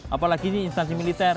apalagi ini instansi militer